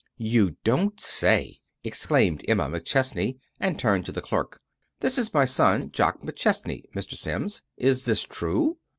"You don't say!" exclaimed Emma McChesney, and turned to the clerk. "This is my son, Jock McChesney Mr. Sims. Is this true?"